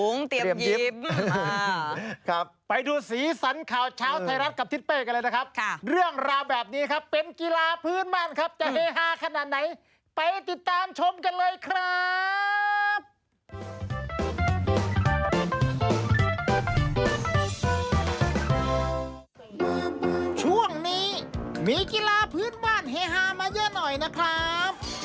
นอกจากนวดกรามแล้วก็ดึงมุมปากขึ้นไปสูง